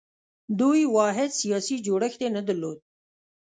دوی واحد سیاسي جوړښت یې نه درلود